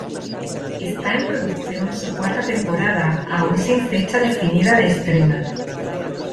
Está en producción su cuarta temporada, aún sin fecha definida de estrena.